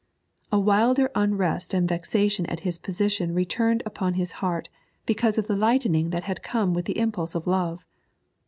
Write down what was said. A wilder unrest and vexation at his position returned upon his heart because of the lightening that had come with the impulse of love.